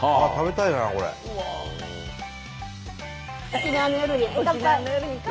沖縄の夜に乾杯！